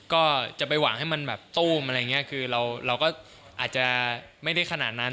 ก็จะไปหวังให้มันแบบตู้มอะไรอย่างนี้คือเราก็อาจจะไม่ได้ขนาดนั้น